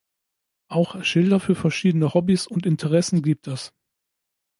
Auch Schilder für verschiedene Hobbys und Interessen gibt es.